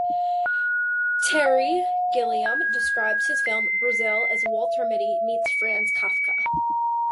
Terry Gilliam described his film "Brazil" as "Walter Mitty Meets Franz Kafka".